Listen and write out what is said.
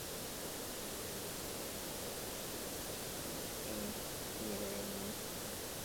Sus investigaciones se han dirigido a la historia de la Grecia clásica y helenística.